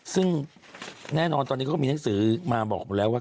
ซึ่งแน่นอนตอนนี้เขาก็มีหนังสือมาบอกแล้วว่า